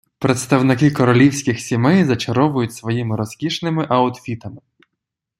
Представники королівських сімей зачаровують своїми розкішними аутфітами.